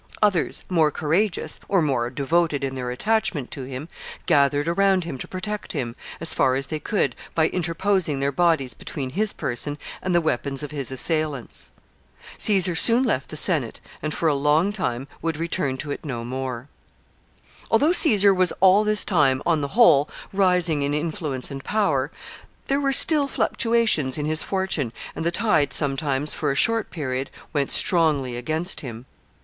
Others, more courageous, or more devoted in their attachment to him, gathered around him to protect him, as far as they could, by interposing their bodies between his person and the weapons of his assailants. Caesar soon left the Senate, and for a long time would return to it no more. [Sidenote: Caesar's struggle for the office of pontifex maximus.] Although Caesar was all this time, on the whole, rising in influence and power, there were still fluctuations in his fortune, and the tide sometimes, for a short period, went strongly against him.